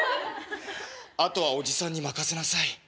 あとはおじさんに任せなさい。